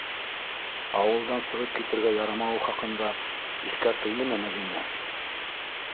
- Ауылдан сығып китергә ярамауы хаҡында иҫкәртелдеме Мәҙинә?